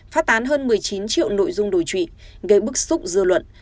phát tán hơn một mươi chín triệu nội dung đối trị gây bức xúc dư luận